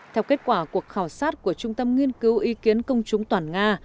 theo kết quả cuộc khảo sát của trung tâm nghiên cứu ý kiến công chúng toàn nga